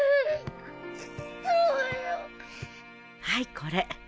「はいこれ。